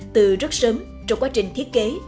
từ rất sớm trong quá trình thiết kế